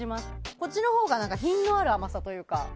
こっちのほうが品のある甘さというか。